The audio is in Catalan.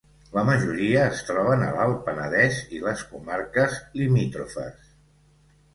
La majoria es troben a l'Alt Penedès i les comarques limítrofes.